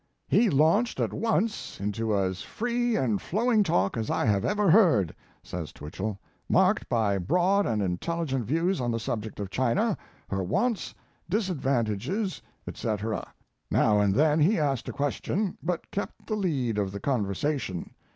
He launched at once into as free and flowing talk as I have ever heard [says Twichell], marked by broad and intelligent views on the subject of China, her wants, disadvantages, etc. Now and then he asked a question, but kept the lead of the conversation.